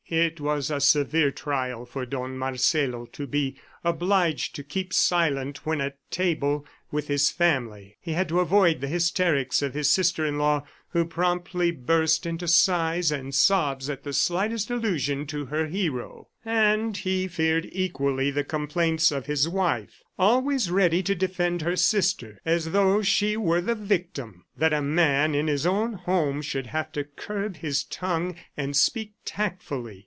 It was a severe trial for Don Marcelo to be obliged to keep silent when at table with his family. He had to avoid the hysterics of his sister in law who promptly burst into sighs and sobs at the slightest allusion to her hero; and he feared equally the complaints of his wife, always ready to defend her sister, as though she were the victim. ... That a man in his own home should have to curb his tongue and speak tactfully!